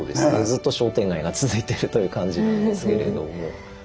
ずっと商店街が続いてるという感じなんですけれども。